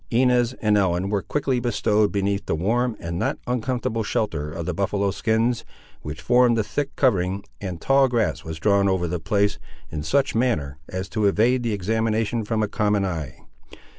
Inez and Ellen were quickly bestowed beneath the warm and not uncomfortable shelter of the buffaloe skins, which formed a thick covering, and tall grass was drawn over the place, in such a manner as to evade any examination from a common eye.